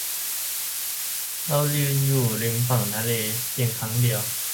เรายืนอยู่ริมฝั่งทะเลเพียงครั้งเดียว